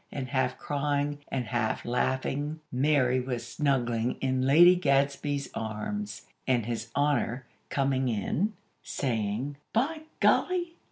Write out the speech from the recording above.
and half crying and half laughing, Mary was snuggling in Lady Gadsby's arms; and His Honor, coming in, saying: "By golly!